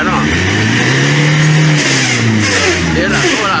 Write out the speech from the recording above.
รถมันต่อไปเสียเนอะ